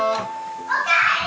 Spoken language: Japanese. おかえり！